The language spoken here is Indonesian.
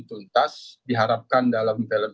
tuntas diharapkan dalam film